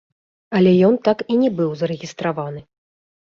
Але ён так і не быў зарэгістраваны.